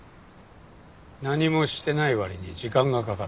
何もしてない割に時間がかかった。